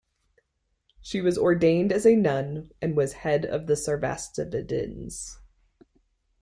She was ordained as a nun and was the head of the Sarvastivadins.